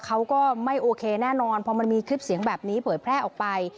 เขาก็ไม่โอเคแน่นอนพอมันมีคลิปเสียงแบบนี้เผยแพร่ออกไป